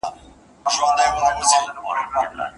آیا د مرغانو ځالي د موږک تر سوري خوندي دي؟